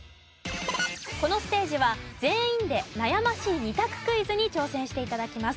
このステージは全員で悩ましい２択クイズに挑戦して頂きます。